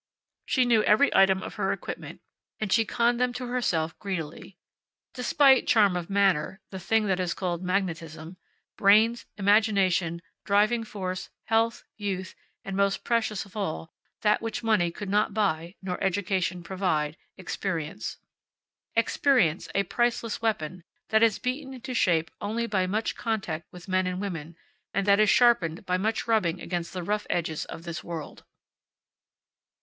She knew every item of her equipment, and she conned them to herself greedily: Definite charm of manner; the thing that is called magnetism; brains; imagination; driving force; health; youth; and, most precious of all, that which money could not buy, nor education provide experience. Experience, a priceless weapon, that is beaten into shape only by much contact with men and women, and that is sharpened by much rubbing against the rough edges of this world.